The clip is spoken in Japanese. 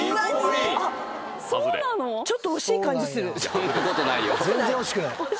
そんなことないよ。